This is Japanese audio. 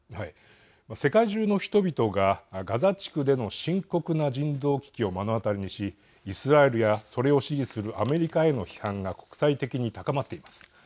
世界中の人々がガザ地区での深刻な人道危機を目の当たりにしイスラエルや、それを支持するアメリカへの批判が国際的に高まっています。